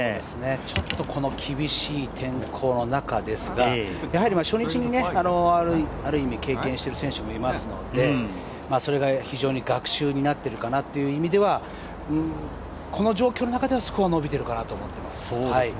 ちょっとこの厳しい天候の中ですが初日にある意味経験している選手もいますのでそれが非常に学習になっているかなという意味ではこの状況の中では、スコアが伸びているかなと思ってます。